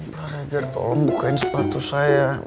pak hajar tolong bukain sepatu saya